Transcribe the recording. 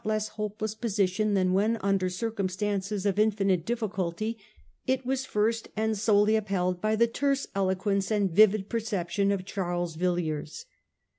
8C7 less hopeless position, than when, under circumstances of infinite difficulty, it was first and solely upheld by the terse eloquence and vivid perception of Charles Villiers.